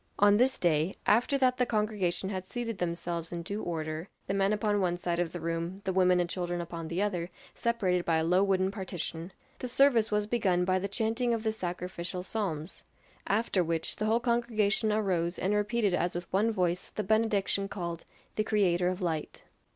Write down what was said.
On this day, after that the congregation had seated themselves in due order the men upon one side of the room, the women and children upon the other, separated by a low wooden partition the service was begun by the chanting of the sacrificial psalms; after which the whole congregation arose and repeated as with one voice the benediction called "The Creator of Light."